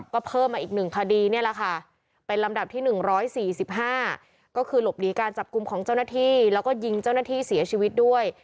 ก็เพิ่มมาอีก๑คดีนี่แหละค่ะเป็นลำดับที่๑๔๕ก็คือหลบหนีการจับกลุ่มของเจ้าหน้าที่แล้วก็ยิงเจ้าหน้าที่เสียชีวิตด้วย